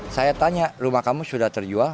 saya tanya rumah kamu sudah terjual